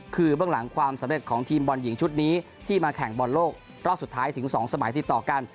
คือเบื้องหลังความสำเร็จของทีมบอลหญิงชุดนี้ที่มาแข่งบอลโลกรอบสุดท้ายถึง๒สมัยติดต่อกัน